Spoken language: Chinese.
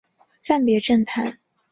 暂别政坛。